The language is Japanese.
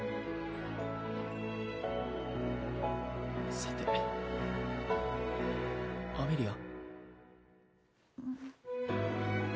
さてアメリア？